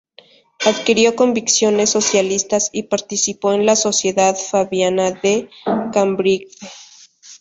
Adquirió convicciones socialistas, y participó en la Sociedad Fabiana de Cambridge.